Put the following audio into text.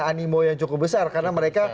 animo yang cukup besar karena mereka